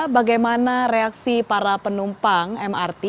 bagaimana reaksi para penumpang mrt